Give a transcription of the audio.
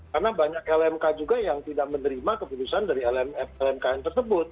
karena banyak lmk juga yang tidak menerima keputusan dari lmkn tersebut